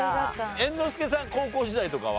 猿之助さん高校時代とかは？